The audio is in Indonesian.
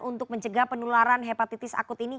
untuk mencegah penularan hepatitis akut ini